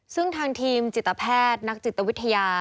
ซึ่งทางทีมจิตแพทย์นักจิตวิทยา